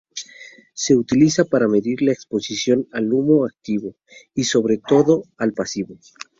Se utiliza para medir la exposición al humo activo y, sobre todo, al pasivo.